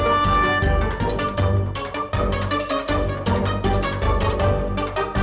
ayo aku udah siap dari tadi